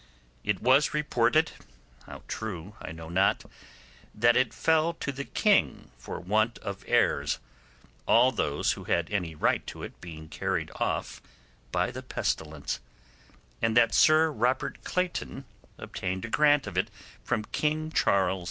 It was reported, how true I know not, that it fell to the king for want of heirs, all those who had any right to it being carried off by the pestilence, and that Sir Robert Clayton obtained a grant of it from King Charles II.